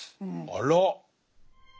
あら！